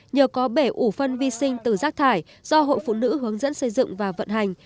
nhờ có bể ủ phân vi sinh từ rác thải do hội phụ nữ hướng dẫn xây dựng và vận hành